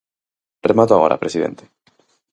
Remato agora, presidente.